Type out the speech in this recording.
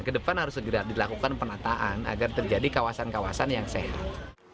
kedepan harus segera dilakukan penataan agar terjadi kawasan kawasan yang sehat